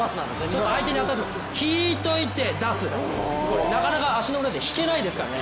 ちょっと相手に引いといて、出す、なかなか足の裏で引けないですからね。